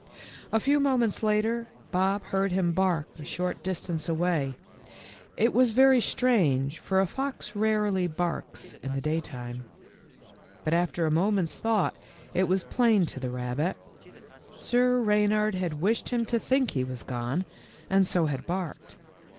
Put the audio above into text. A few moments later, Bob heard him bark a short distance away. It w r as very strange, for a fox rarely barks in the daytime. But after a moment's thought it was plain to the rabbit. Sir Rey nard had wished him to think he had gone, and so had barked.